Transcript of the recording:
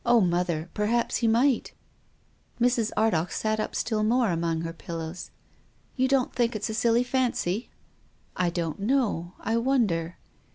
" Oh, mother, perhaps he might !" Mrs. Ardagh sat up still more among her pillows. " You don't think it's a silly fancy? "" I don't know. I wonder."